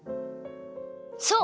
そう！